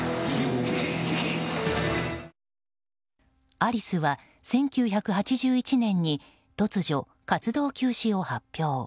アリスは１９８１年に突如、活動休止を発表。